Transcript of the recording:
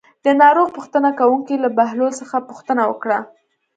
د ناروغ پوښتنه کوونکو له بهلول څخه پوښتنه وکړه.